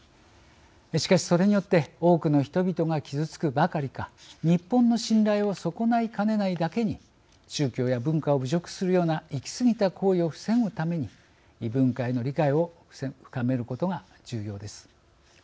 しかし、それによって多くの人々が傷つくばかりか日本の信頼を損ないかねないだけに宗教や文化を侮辱するような行き過ぎた行為を防ぐために異文化への理解を深めることが重要です。